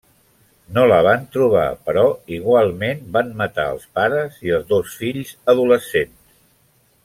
No la van trobar, però igualment van matar els pares i els dos fills adolescents.